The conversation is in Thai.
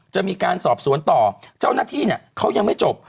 จะมีการสอบสวนต่อเจ้าหน้าที่เขายังไม่จบ